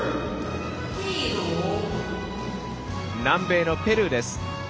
南米のペルーです。